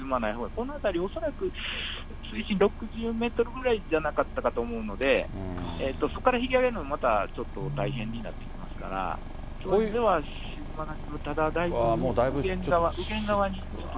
この辺り、恐らく水深６０メートルぐらいじゃなかったかと思うので、そこから引き揚げるのもまたちょっと大変になってきますから、だいぶちょっと。